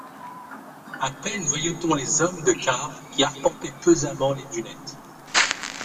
À peine voyait-on les hommes de quart qui arpentaient pesamment les dunettes.